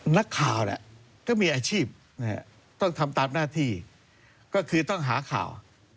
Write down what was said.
นักข่าวถ้ามีอาชีพต้องทำตามหน้าที่ก็คือต้องหาข่าว